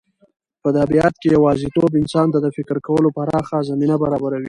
په طبیعت کې یوازېتوب انسان ته د فکر کولو پراخه زمینه برابروي.